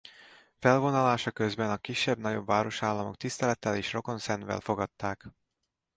Felvonulása közben a kisebb-nagyobb városállamok tisztelettel és rokonszenvvel fogadták.